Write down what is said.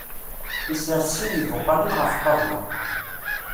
Isres sin n ibuqalen ɣef ṭṭabla.